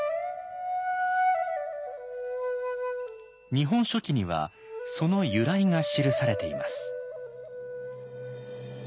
「日本書紀」にはその由来が記されています。